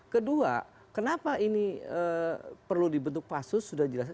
kedua kenapa ini perlu dibentuk pasus sudah jelas